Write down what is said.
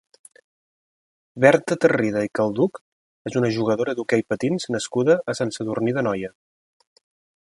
Berta Tarrida i Calduch és una jugadora d'hoquei patins nascuda a Sant Sadurní d'Anoia.